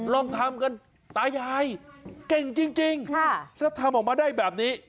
ลองทำกันตายายเก่งจริงถ้าทำออกมาได้แบบนี้